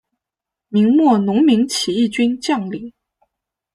明末农民起义军将领。